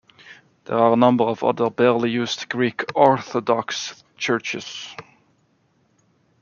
There are a number of other barely used Greek Orthodox churches.